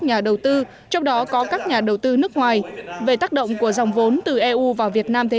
nhà đầu tư trong đó có các nhà đầu tư nước ngoài về tác động của dòng vốn từ eu vào việt nam thế